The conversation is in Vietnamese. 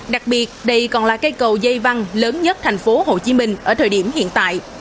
đặc biệt đây còn là cây cầu dây văn lớn nhất thành phố hồ chí minh ở thời điểm hiện tại